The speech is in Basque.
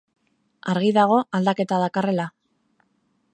Argi dago aldaketa dakarrela.